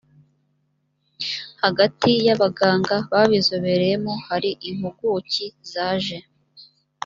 hagati y abaganga babizobereyemo hari impuguki zaje